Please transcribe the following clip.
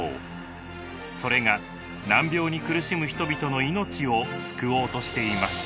それが難病に苦しむ人々の命を救おうとしています。